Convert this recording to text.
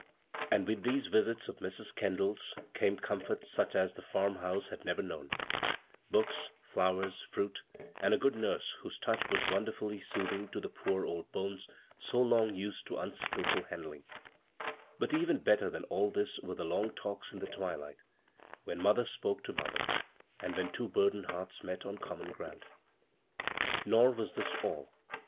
And with these b, Google CROSS CURRENTS visits of Mrs. Kendall's came comforts sm as the farmhouse had never known : book flowers, fruit, and a good nurse whose too< was wonderfully soothing to the poor ol tx>nes so long used to unskilful handlinj But even better tlian all this were the loo talks in the twilight when mother spoke 1 mother, and when two burdened hearts m< on common ground. Nor was this all.